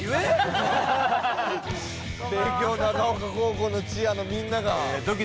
帝京長岡高校のチアのみんなが。